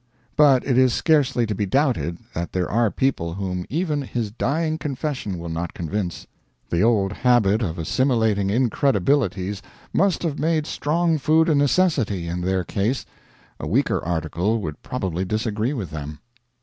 But it is scarcely to be doubted that there are people whom even his dying confession will not convince. The old habit of assimilating incredibilities must have made strong food a necessity in their case; a weaker article would probably disagree with them.